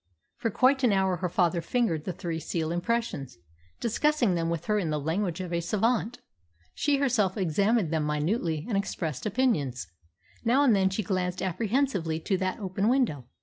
For quite an hour her father fingered the three seal impressions, discussing them with her in the language of a savant. She herself examined them minutely and expressed opinions. Now and then she glanced apprehensively to that open window.